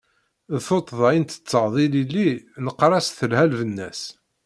D tuṭṭḍa i nteṭṭeḍ ilili, neqqar-as telha lbenna-s.